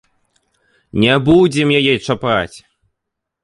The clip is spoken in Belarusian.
Не будзем яе чапаць.